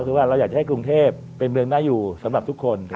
คือว่าเราอยากจะให้กรุงเทพเป็นเมืองน่าอยู่สำหรับทุกคน